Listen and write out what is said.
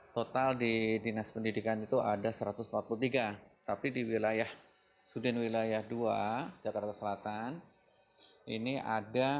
total di dki jakarta itu ada satu ratus empat puluh tiga tapi di wilayah dua jakarta selatan ini ada sembilan belas